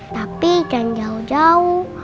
tapi jangan jauh jauh